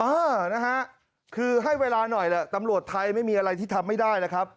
เออนะฮะคือให้เวลาหน่อยแหละตำรวจไทยไม่มีอะไรที่ทำไม่ได้แล้วครับ